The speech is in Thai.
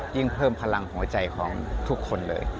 ยิ่งเพิ่มพลังหัวใจของทุกคนเลย